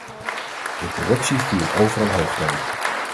De corruptie viert overal hoogtij.